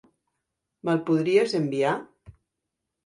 Me'l podries enviar?